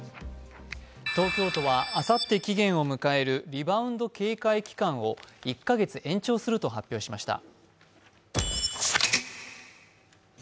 東京都はあさって期限を迎えるリバウンド警戒期間を１カ月延長すると発表しました。